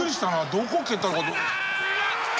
どこ蹴ったのかと。